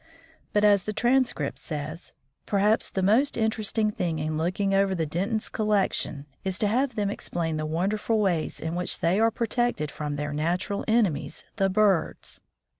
But, as the Transcript says, "perhaps the most interesting thing in looking over the Dentons' collection is to have them explain the wonderful ways in which they are protected from their natural enemies, the birds.